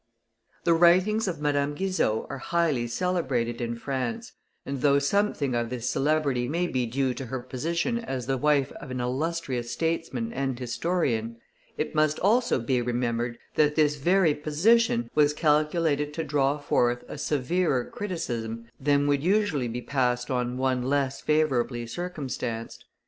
The writings of Madame Guizot are highly celebrated in France, and though something of this celebrity may be due to her position as the wife of an illustrious statesman and historian, it must also be remembered, that this very position was calculated to draw forth a severer criticism than would usually be passed on one less favourably circumstanced.